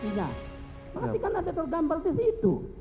makanya kan ada tergambar disitu